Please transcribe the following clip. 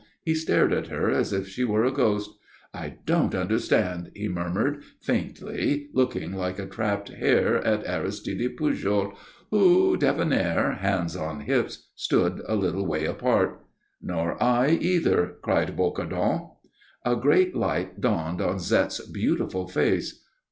He stared at her as if she were a ghost. "I don't understand," he murmured, faintly, looking like a trapped hare at Aristide Pujol, who, debonair, hands on hips, stood a little way apart. "Nor I, either," cried Bocardon. A great light dawned on Zette's beautiful face.